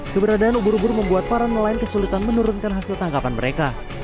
keberadaan ubur ubur membuat para nelayan kesulitan menurunkan hasil tangkapan mereka